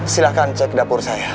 silahkan cek dapur saya